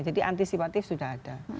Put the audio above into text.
jadi itu sudah antisipatif sudah ada